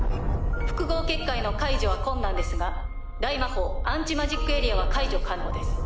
複合結界の解除は困難ですが大魔法アンチマジックエリアは解除可能です。